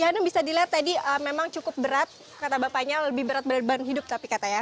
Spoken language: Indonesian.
ya ini bisa dilihat tadi memang cukup berat kata bapaknya lebih berat dari beban hidup tapi kata ya